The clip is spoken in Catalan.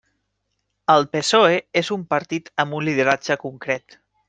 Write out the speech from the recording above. El PSOE és un partit amb un lideratge concret.